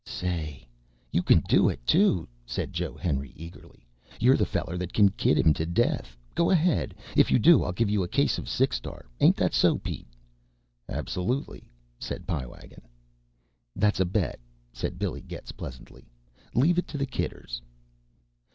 "Say! You can do it, too!" said Joe Henry eagerly. "You're the feller that can kid him to death. Go ahead. If you do, I'll give you a case of Six Star. Ain't that so, Pete?" "Absolutely," said Pie Wagon. "That's a bet," said Billy Getz pleasantly. "Leave it to the Kidders."